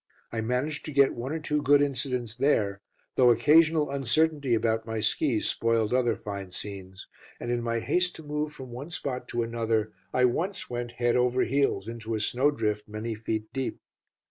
I managed to get one or two good incidents there, though occasional uncertainty about my skis spoiled other fine scenes, and in my haste to move from one spot to another, I once went head over heels into a snowdrift many feet deep.